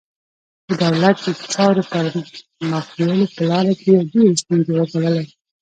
د دولت د چارو پر مخ بیولو په لاره کې یې ډېرې ستونزې وګاللې.